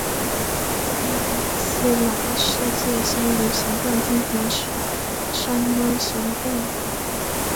伊斯兰世界香炉形状通常是山猫形状的。